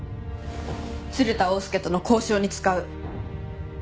鶴田翁助との交渉に使う。